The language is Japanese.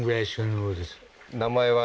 名前は？